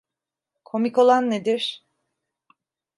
Komik olan nedir?